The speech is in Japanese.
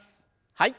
はい。